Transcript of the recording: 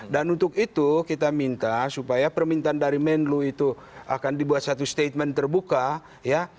dan untuk itu kita minta supaya permintaan dari menlo itu akan dibuat satu statement terbuka ya